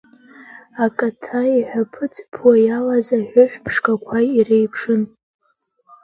Акаҭа иҳәаԥы-ӡыԥуа иалаз аҳәыҳә ԥшқақәа иреиԥшын.